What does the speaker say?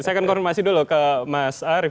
saya akan konfirmasi dulu ke mas arief